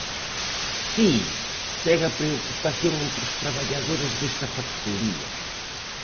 Si, segue a preocupación entre os traballadores desta factoría.